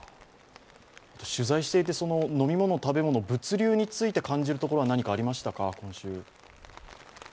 取材していて、飲み物食べ物、物流に関して感じるものはありましたか、今週。